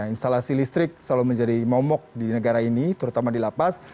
instalasi listrik selalu menjadi momok di negara ini terutama di lapas